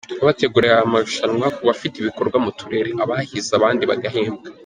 Turabategurira amarushanwa ku bafite ibikorwa mu turere, abahize abandi bagahembwa”.